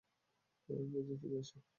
বেজে ফিরে এসো।